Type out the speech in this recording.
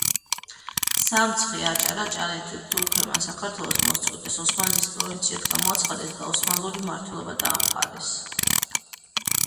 სამცხე, აჭარა, ჭანეთი თურქებმა საქართველოს მოსწყვიტეს, ოსმალეთის პროვინციად გამოაცხადეს და ოსმალური მმართველობა დაამყარეს.